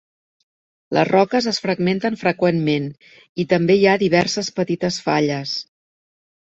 Les roques es fragmenten freqüentment, i també hi ha diverses petites falles.